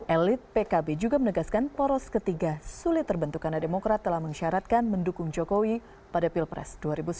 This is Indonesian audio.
elit pkb juga menegaskan poros ketiga sulit terbentuk karena demokrat telah mengisyaratkan mendukung jokowi pada pilpres dua ribu sembilan belas